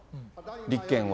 立憲は。